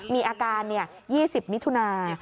มีอาการ๒๐มิถุนา